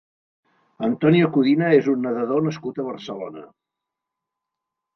Antonio Codina és un nedador nascut a Barcelona.